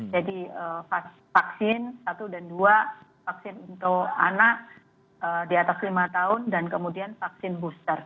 jadi vaksin satu dan dua vaksin untuk anak di atas lima tahun dan kemudian vaksin booster